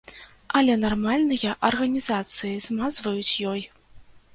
Але нармальныя арганізацыі змазваюць ёй.